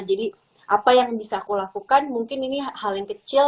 jadi apa yang bisa aku lakukan mungkin ini hal yang kecil